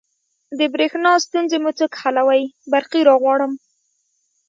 د بریښنا ستونزې مو څوک حلوی؟ برقي راغواړم